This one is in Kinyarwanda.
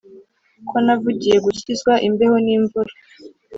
ko navugiye gukizwa imbeho n’imvura,